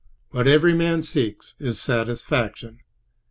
What every man seeks is satisfaction.